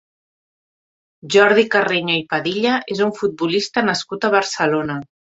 Jordi Carreño i Padilla és un futbolista nascut a Barcelona.